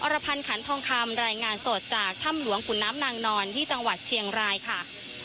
รพันธ์ขันทองคำรายงานสดจากถ้ำหลวงขุนน้ำนางนอนที่จังหวัดเชียงรายค่ะ